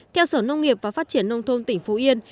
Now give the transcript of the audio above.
theo sở nông nghiệp và phát triển nông thôn tỉnh phú yên